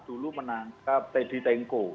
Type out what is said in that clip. dulu menangkap teddy tengko